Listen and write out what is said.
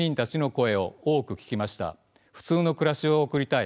「普通の暮らしを送りたい」。